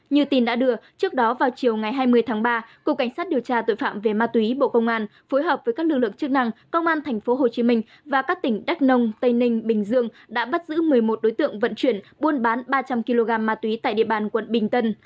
như tin đã đưa trước đó vào chiều ngày hai mươi tháng ba cục cảnh sát điều tra tội phạm về ma túy bộ công an phối hợp với các lực lượng chức năng công an tp hcm và các tỉnh đắk nông tây ninh bình dương đã bắt giữ một mươi một đối tượng vận chuyển buôn bán ba trăm linh kg ma túy tại địa bàn quận bình tân